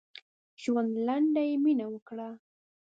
ژوند لنډ دی؛ مينه وکړه.